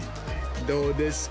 どうですか？